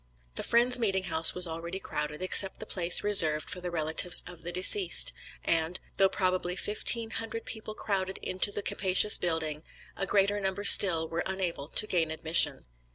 The Friends' Meeting House was already crowded, except the place reserved for the relatives of the deceased, and, though probably fifteen hundred people crowded into the capacious building, a greater number still were unable to gain admission.